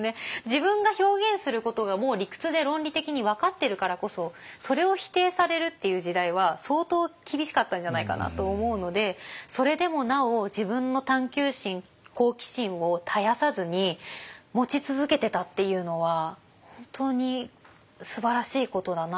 自分が表現することがもう理屈で論理的に分かってるからこそそれを否定されるっていう時代は相当厳しかったんじゃないかなと思うのでそれでもなお自分の探究心好奇心を絶やさずに持ち続けてたっていうのは本当にすばらしいことだなと思います。